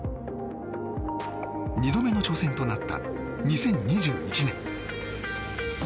２度目の挑戦となった２０２１年。